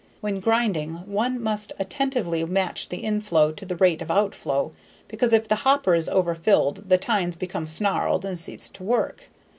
When grinding one must attentively match the inflow to the rate of outflow because if the hopper is overfilled the tines become snarled and cease to work.